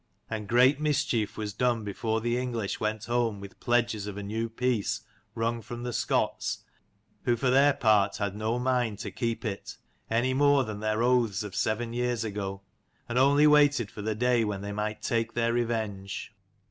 And great mischief was done before the English went home with pledges of a new peace wrung from the Scots, who for their part had no mind to keep it, any more than their oaths of seven years ago, and only waited for the day when they might take their revenge.